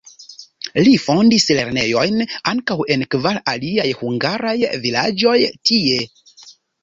Li fondis lernejojn ankaŭ en kvar aliaj hungaraj vilaĝoj tie.